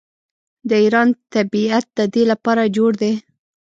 د ایران طبیعت د دې لپاره جوړ دی.